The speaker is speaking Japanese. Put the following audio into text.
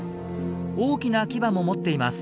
大きな牙も持っています。